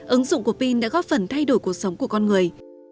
ứng dụng của pin đã góp phần thay đổi cuộc sống của con người